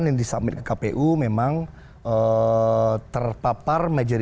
tiga miliar lebih hampir empat miliar